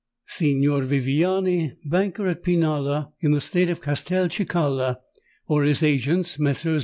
"Signor Viviani, banker at Pinalla, in the State of Castelcicala, or his agents, Messrs.